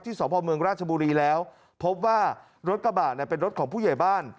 สพเมืองราชบุรีแล้วพบว่ารถกระบะเนี่ยเป็นรถของผู้ใหญ่บ้าน